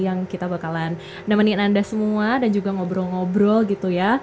yang kita bakalan nemenin anda semua dan juga ngobrol ngobrol gitu ya